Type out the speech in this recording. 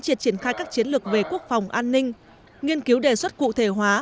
triệt triển khai các chiến lược về quốc phòng an ninh nghiên cứu đề xuất cụ thể hóa